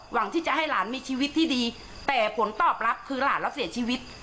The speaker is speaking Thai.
หวังที่จะให้หลานมีชีวิตที่ดีแต่ผลตอบรับคือหลานเราเสียชีวิต